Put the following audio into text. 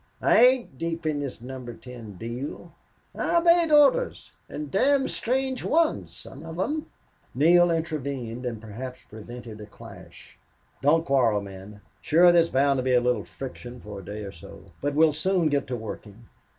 I ain't deep in this Number Ten deal.... I obeyed orders an' damn strange ones, some of them." Neale intervened and perhaps prevented a clash. "Don't quarrel, men. Sure there's bound to be a little friction for a day or so. But we'll soon get to working."